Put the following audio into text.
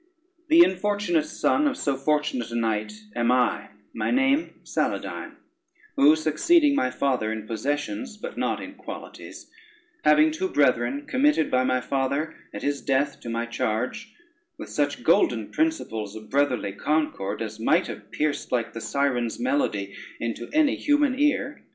The infortunate son of so fortunate a knight am I; my name, Saladyne; who succeeding my father in possessions, but not in qualities, having two brethren committed by my father at his death to my charge, with such golden principles of brotherly concord, as might have pierced like the Sirens' melody into any human ear.